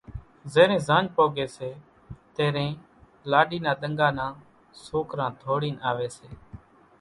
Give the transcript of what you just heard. زيرين زاڃ پوڳيَ سي تيرين لاڏِي نا ۮنڳا نان سوڪران ڌوڙينَ آويَ سي۔